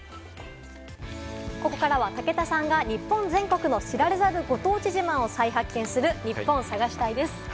ここからは武田さんが日本全国の知られざるご当地自慢を再発見するニッポン探し隊です。